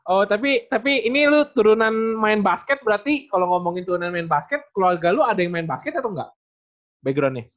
oh tapi ini lo turunan main basket berarti kalau ngomongin turunan main basket keluarga lo ada yang main basket atau enggak backgroundnya